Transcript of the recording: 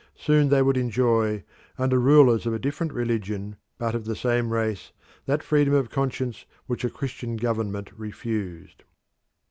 Soon they would enjoy, under rulers of a different religion but of the same race, that freedom of conscience which a Christian government refused.